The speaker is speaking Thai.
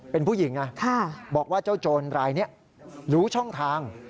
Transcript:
เป็นผู้หญิงบอกว่าเจ้าโจรรายนี้รู้ช่องทาง